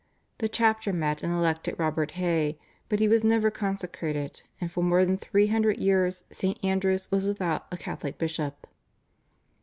The chapter met and elected Robert Hay, but he was never consecrated, and for more than three hundred years St. Andrew's was without a Catholic bishop.